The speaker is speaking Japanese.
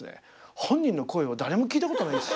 本人の声を誰も聞いたことないです。